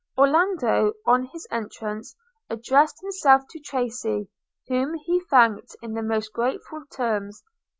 Orlando, on his entrance, addressed himself to Tracy, whom he thanked in the most graceful terms.